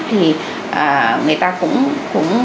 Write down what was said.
thì người ta cũng